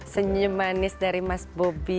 senyum manis dari mas bobi